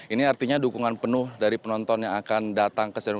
ini artinya dukungan penuh dari penonton yang akan datang ke stadion utama glora bung karno